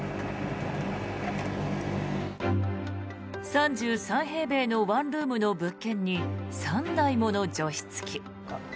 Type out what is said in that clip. ３３平米のワンルームの物件に３台もの除湿機。